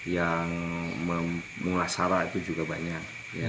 yang mengulasara itu juga banyak